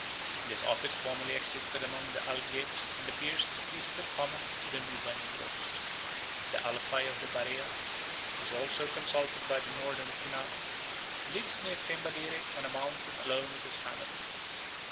This office formerly existed among the Algeds and appears to be still common to the Nuba negroes. The Alfai of the Barea, who is also consulted by the northern Kunama, lives near Tembadere on a mountain alone with his family.